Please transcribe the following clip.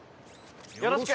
よろしく！